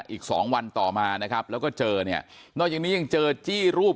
อีกสองวันต่อมานะครับแล้วก็เจอเนี่ยนอกจากนี้ยังเจอจี้รูป